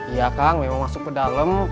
iya kang memang masuk ke dalam